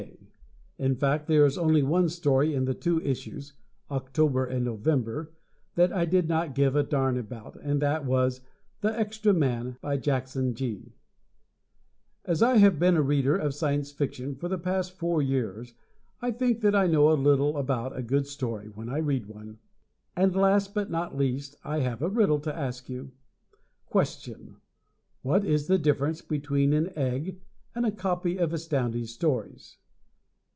K. In fact there is only one story in the two issues (October and November), that I did not give a darn about, and that was "The Extra Man," by Jackson Gee. As I have been a reader of Science Fiction for the past four years I think that I know a little about a good story when I read one. And last but not least, I have a riddle to ask you. Question: What is the difference between an egg and a copy of Astounding Stories?